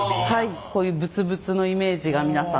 こういうぶつぶつのイメージが皆さん。